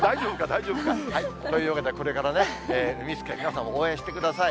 大丈夫か？というわけでこれからうみスケ、皆さんも応援してください。